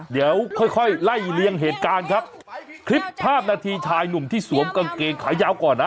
เดี๋ยวค่อยค่อยไล่เลียงเหตุการณ์ครับคลิปภาพนาทีชายหนุ่มที่สวมกางเกงขายาวก่อนนะ